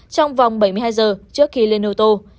trong vòng bảy mươi hai giờ trước khi lên ô tô